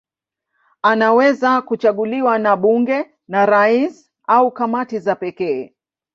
Anaweza kuchaguliwa na bunge, na rais au kamati za pekee.